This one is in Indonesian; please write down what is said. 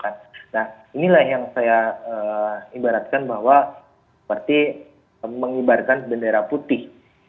nah inilah yang saya ibaratkan bahwa seperti mengibarkan bendera putih